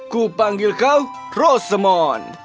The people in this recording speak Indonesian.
kupanggil kau rosamond